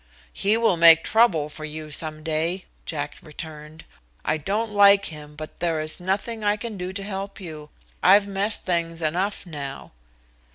"He will make trouble for you some day," Jack returned. "I don't like him, but there is nothing I can do to help you. I've messed things enough now."